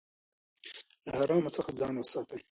له حرامو څخه ځان وساتئ.